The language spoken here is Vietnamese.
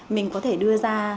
mình có thể đưa ra